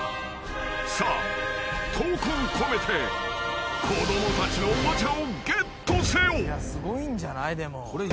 ［さあ闘魂込めて子供たちのおもちゃをゲットせよ］